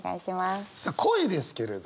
さあ恋ですけれど。